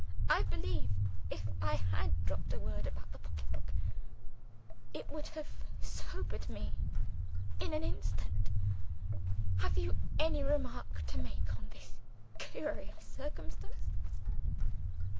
I believe, if I had dropped a word about the pocketbook, it would have sobered me in an instant. Have you any remark to make on this curious circumstance?"